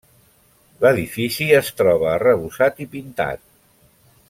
L'edifici es troba arrebossat i pintat.